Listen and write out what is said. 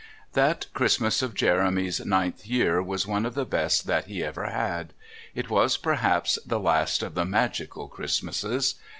That Christmas of Jeremy's ninth year was one of the best that he ever had; it was perhaps the last of the MAGICAL Christmases.